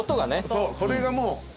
そうこれがもう。